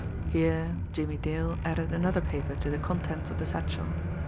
Here, Jimmie Dale added another paper to the contents of the satchel.